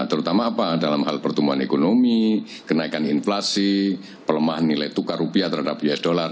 terutama apa dalam hal pertumbuhan ekonomi kenaikan inflasi pelemahan nilai tukar rupiah terhadap usd